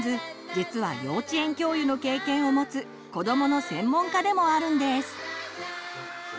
実は幼稚園教諭の経験をもつ子どもの専門家でもあるんです。